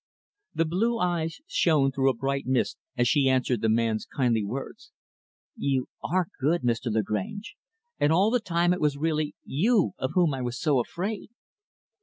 The blue eyes shone through a bright mist as she answered the man's kindly words. "You are good, Mr. Lagrange. And all the time it was really you of whom I was so afraid."